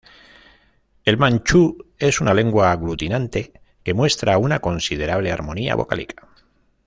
El manchú es una lengua aglutinante, que muestra una considerable armonía vocálica.